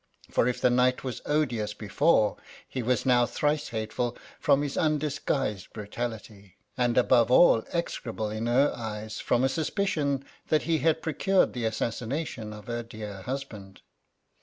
For if the knight was odious before, he was now thrice hate ful from his undisguised brutality, and above all execrable in her eyes, from a suspicion that he had procured the assassination of her dear husband.